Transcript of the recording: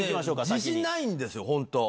自信ないんですよ本当。